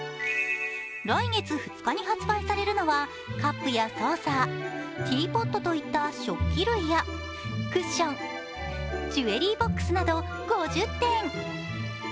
来月２日に発売されるのはカップやソーサー、ティーポットといった食器類やクッション、ジュエリーボックスなど５０点。